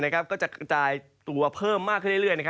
ก็จะกระจายตัวเพิ่มมากขึ้นเรื่อย